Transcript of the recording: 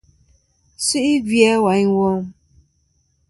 Su'i gvi a wayn wom.